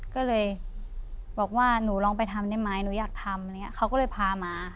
ก็เลยบอกว่าหนูลองไปทำได้ไหมหนูอยากทำอะไรอย่างนี้เขาก็เลยพามา